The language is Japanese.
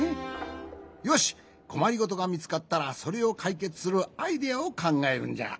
よしこまりごとがみつかったらそれをかいけつするアイデアをかんがえるんじゃ。